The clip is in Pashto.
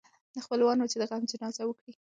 نه خپلوان وه چي دي غم د جنازې کړي